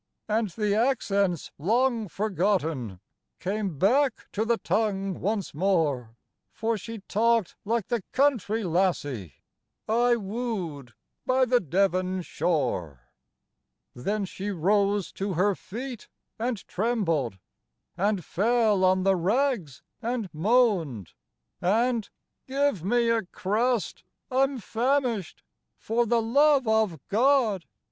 " And the accents, long forgotten, Came back to the tongue once more. For she talked like the country lassie I woo'd by the Devon shore. Then she rose to her feet and trembled, And fell on the rags and moaned, And, * Give me a crust — I 'm famished — For the love of God